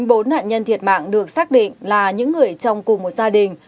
danh tính bốn nạn nhân thiệt mạng được xác định là những người trong cùng một gia đình